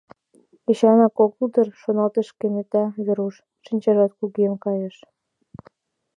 «Эчанак огыл дыр, — шоналтыш кенета Веруш, шинчажат кугем кайыш.